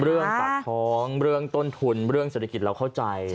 เรื่องปากท้องเรื่องต้นทุนเรื่องเศรษฐกิจเราเข้าใจ